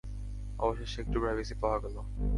অবশেষে একটু প্রাইভেসি পাওয়া গেল।